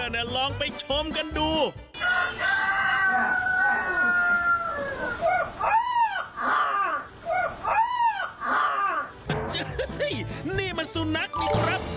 นี่มันสุนัขนี่ครับ